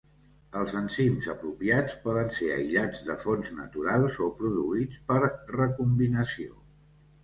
Els enzims apropiats poden ser aïllats de fonts naturals o produïts per recombinació.